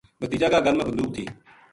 بھتیجا کا گل ما بندوق تھی۔